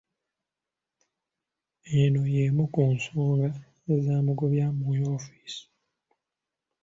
Eno yeemu ku nsonga ezaamugobya mu woofiisi.